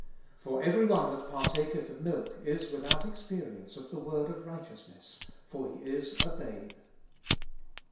13. For every one that partaketh of milk is without experience of the word of righteousness ; for he is a babe.